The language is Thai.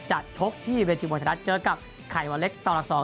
จัดโชคที่เวทยุโมชะรัฐเจอกับไข่วะเล็กต่อลักษณ์๒